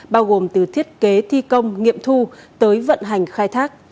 bao gồm từ thiết kế thi công nghiệm thu tới vận hành khai thác